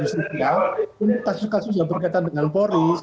untuk kasus kasus yang berkaitan dengan polri